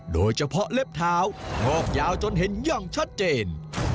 โดยเฉพาะเล็บเท้างอกยาวจนเห็นอย่างชัดเจน